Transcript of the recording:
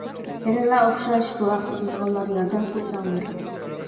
يەنىلا ئوخشاش، بۇ ھەقتە بىلىدىغانلار ياردەم قىلساڭلار.